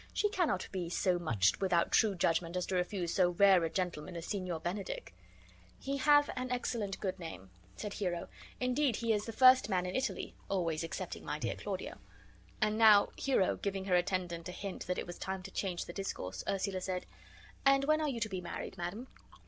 "She cannot be so much without true judgment as to refuse so rare a gentleman as Signor Benedick." "He hath an excellent good name," said Hero. "Indeed, he is the first man in Italy, always excepting my dear Claudio." And now, Hero giving her attendant a hint that it was time to change the discourse, Ursula said, "And when are you to be married, madam?"